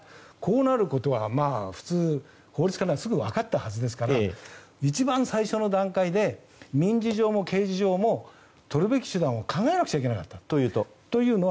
ですから、こうなることは普通、法律家ならすぐ分かったはずですから一番最初の段階で民事上も刑事上もとるべき手段を考えなくちゃいけなかった。